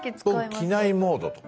僕「機内モード」とか。